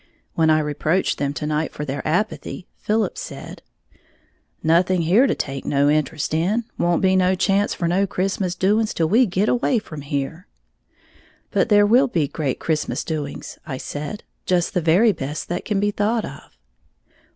When I reproached them to night for their apathy, Philip said, "Nothing here to take no interest in, won't be no chance for no Christmas doings till we git away from here." "But there will be great Christmas doings," I said, "just the very best that can be thought of."